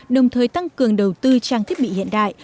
đồng thời tăng cường đầu tư trang thiết bị hiện đại